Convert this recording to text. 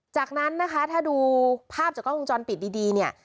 จากนั้นนะคะถ้าดูภาพจากกล้องวงจรปิดดีเนี่ย